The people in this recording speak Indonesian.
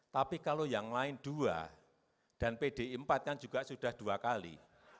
tapi kalau yang lain dua dan pdi empat kan juga sudah dua kali